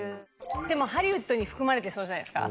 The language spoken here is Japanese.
でもハリウッドに含まれてそうじゃないですか？